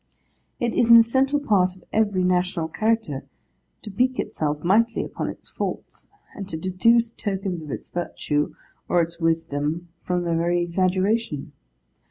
It is an essential part of every national character to pique itself mightily upon its faults, and to deduce tokens of its virtue or its wisdom from their very exaggeration.